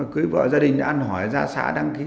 cưới vợ gia đình đã ăn hỏi ra xã đăng ký